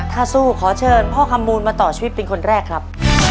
ถ้าสู้ขอเชิญพ่อคำมูลมาต่อชีวิตเป็นคนแรกครับ